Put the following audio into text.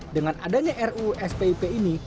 dengan adanya ruu spip ini